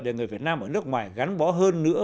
để người việt nam ở nước ngoài gắn bó hơn nữa